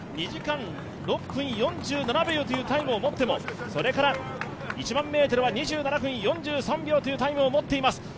２時間６分４７秒というタイムを持ってもそれから１００００ｍは２７分４７秒というタイムを持っています。